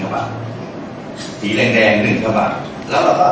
พอพบสองเดือนพรุ่งเราจะก่อนกลับไป